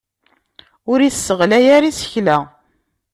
Ur isseɣlay ara isekla.